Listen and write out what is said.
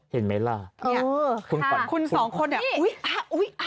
เห็นไหมล่ะคุณคุณสองคนฮะอุ๊ย